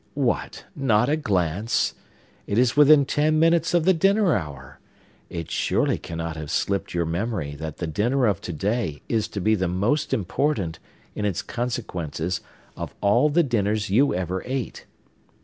What—not a glance! It is within ten minutes of the dinner hour! It surely cannot have slipped your memory that the dinner of to day is to be the most important, in its consequences, of all the dinners you ever ate.